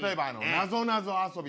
なぞなぞ遊び。